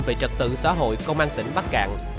về trật tự xã hội công an tỉnh bắc cạn